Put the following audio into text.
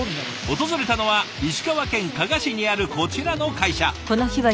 訪れたのは石川県加賀市にあるこちらの会社。